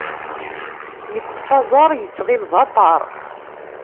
Yeṭṭef aẓar yetɣil d aṭar